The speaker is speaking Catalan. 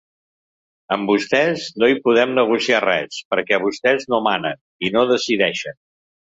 Amb vostès, no hi podem negociar res, perquè vostès no manen i no decideixen.